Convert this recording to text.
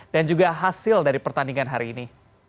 dan juga hasil dari pertandingan hari ini